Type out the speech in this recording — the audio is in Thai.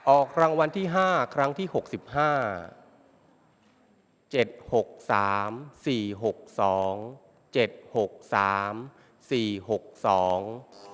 ออกรางวัลที่ห้าครั้งที่หกสิบห้าเจ็ดหกสามสี่หกสองเจ็ดหกสามสี่หกสอง